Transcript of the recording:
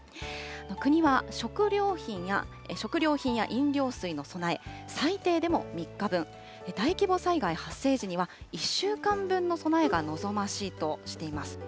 国は食料品や飲料水の備え、最低でも３日分、大規模災害発生時には１週間分の備えが望ましいとしています。